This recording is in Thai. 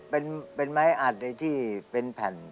เป็นไม้อัดที่เป็นแผ่น